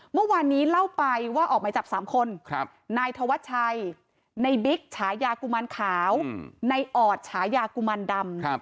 เมื่อวานนี้เล่าไปว่าออกหมายจับ๓คนนายธวัชชัยในบิ๊กฉายากุมารขาวในออดฉายากุมารดำ